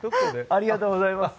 ありがとうございます。